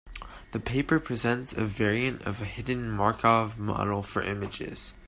The paper presents a variant of a hidden Markov model for images.